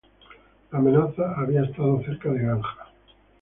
La amenaza había estado cerca de Ganja.